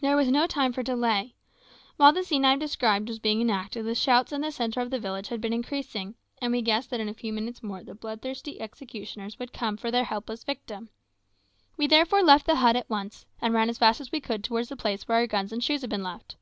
There was no time for delay. While the scene I have described was being enacted the shouts in the centre of the village had been increasing, and we guessed that in a few minutes more the bloodthirsty executioners would come for their helpless victim. We therefore left the hut at once, and ran as fast as we could towards the place where our guns and shoes had been left.